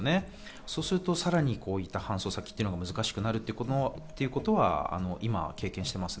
そうすると、さらに搬送先が難しくなるということは今経験しています。